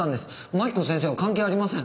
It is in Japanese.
槙子先生は関係ありません。